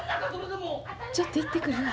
ちょっと行ってくるわ。